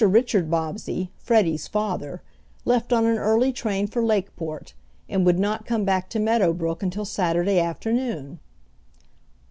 Richard Bobbsey, Freddie's father, left on an early train for Lakeport, and would not come back to Meadow Brook until Saturday afternoon.